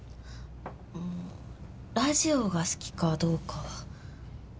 うーんラジオが好きかどうかは。